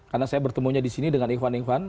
karena saya bertemunya disini dengan ikhwan ikhwan